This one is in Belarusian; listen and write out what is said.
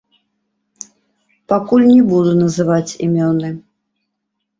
Пакуль не буду называць імёны.